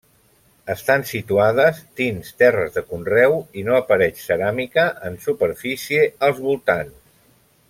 Estan situades dins terres de conreu i no apareix ceràmica en superfície als voltants.